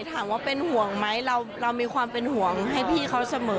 ถามว่าเป็นห่วงไหมเรามีความเป็นห่วงให้พี่เขาเสมอ